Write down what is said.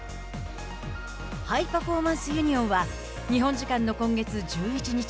ハイパフォーマンスユニオンは日本時間の今月１１日